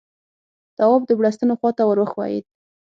تواب د بړستنو خواته ور وښويېد.